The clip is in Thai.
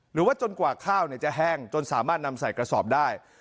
หรือว่าจนกว่าข้าวจะแห้งจนสามารถนำใส่กระสอบได้